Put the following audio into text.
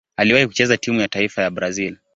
Aliwahi kucheza timu ya taifa ya Brazil.